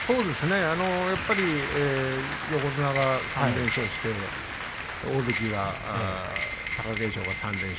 やっぱり横綱が３連勝して大関の貴景勝が３連勝